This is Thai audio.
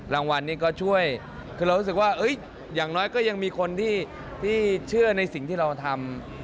รางวัลนี้ก็ช่วยคือเรารู้สึกว่าอย่างน้อยก็ยังมีคนที่เชื่อในสิ่งที่เราทำ